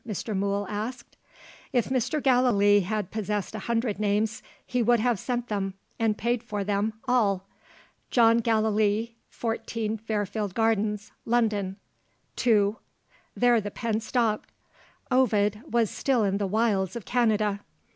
Mr. Mool asked. If Mr. Gallilee had possessed a hundred names he would have sent them (and paid for them) all. "John Gallilee, 14 Fairfield Gardens, London, To " There the pen stopped. Ovid was still in the wilds of Canada.